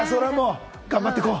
頑張っていこう。